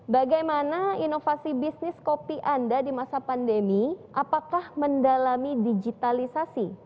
bagaimana inovasi bisnis kopi anda di masa pandemi apakah mendalami digitalisasi